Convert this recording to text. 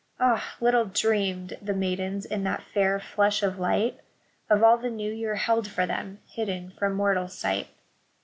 Ah ! little dreamed the maidens in that fair flush of light Of all the new year held for them, hidden from mortal sight.